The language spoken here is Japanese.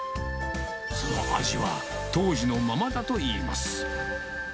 その味は当時のままだといいます。